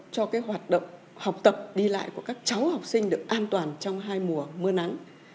cho hoạt động học tập đi lại của các cháu học sinh được an toàn trong hai mùa mưa nắng